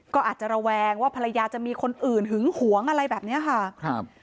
ก็อาจจะระแวงว่าภรรยาจะมีคนอื่นหึงหวงอะไรแบบเนี้ยค่ะครับ